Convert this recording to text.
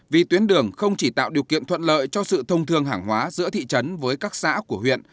vì tuyến đường không chỉ tạo điều kiện thuận lợi cho sự thông thường hàng hóa giữa thị trấn với các xã của huyện